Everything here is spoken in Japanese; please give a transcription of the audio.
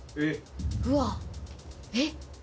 うわ。えっ？